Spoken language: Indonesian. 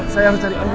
saya harus cari andin